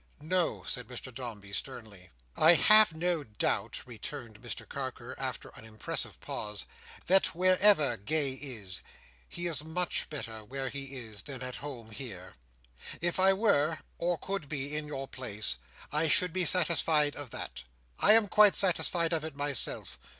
"No," said Mr Dombey, sternly. "I have no doubt," returned Mr Carker, after an impressive pause, "that wherever Gay is, he is much better where he is, than at home here. If I were, or could be, in your place, I should be satisfied of that. I am quite satisfied of it myself.